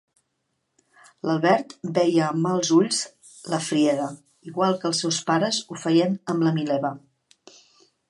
L'Albert veia amb mals ulls la Frieda igual que els seus pares ho feien amb la Mileva.